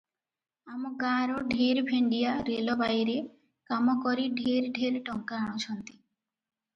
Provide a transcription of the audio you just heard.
ଆମ ଗାଁର ଢେର ଭେଣ୍ଡିଆ ରେଲବାଇରେ କାମ କରି ଢେର ଢେର ଟଙ୍କା ଆଣୁଛନ୍ତି ।